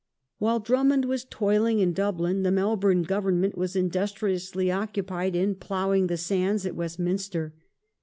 While Drummond was toiling in Dublin, the Melbourne Government was industriously occupied in "ploughing the sands " at Westminster.